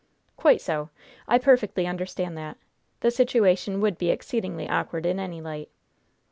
"Quite so. I perfectly understand that. The situation would be exceedingly awkward in any light.